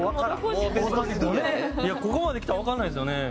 ここまできたらわからないですよね。